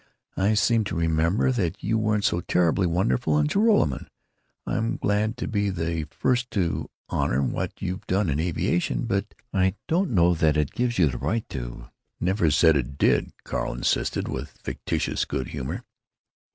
I seem to remember that you weren't so terribly wonderful in Joralemon! I'm glad to be the first to honor what you've done in aviation, but I don't know that that gives you the right to——" "Never said it did!" Carl insisted, with fictitious good humor.